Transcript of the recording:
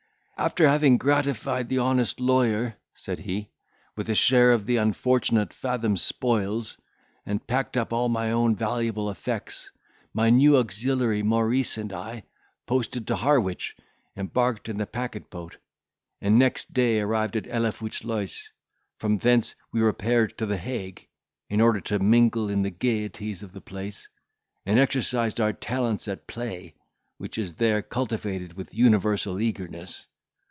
"After having gratified the honest lawyer," said he, "with a share of the unfortunate Fathom's spoils, and packed up all my own valuable effects, my new auxiliary Maurice and I posted to Harwich, embarked in the packet boat, and next day arrived at Helvoetsluys; from thence we repaired to the Hague, in order to mingle in the gaieties of the place, and exercise our talents at play, which is there cultivated with universal eagerness.